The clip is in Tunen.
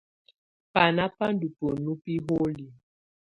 Banà bà ndù bǝnu biholiǝ.